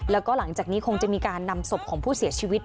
แล้วก็หลังจากนี้คงจะมีการนำศพของผู้เสียชีวิต